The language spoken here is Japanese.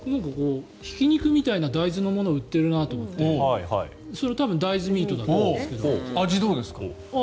ひき肉みたいな大豆のもの売ってるなと思ってそれは多分大豆ミートだと思うんですけど。